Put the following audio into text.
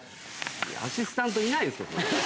アシスタントいないですか？